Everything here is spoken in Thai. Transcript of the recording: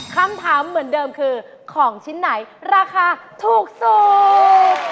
คำถามเหมือนเดิมคือของชิ้นไหนราคาถูกสุด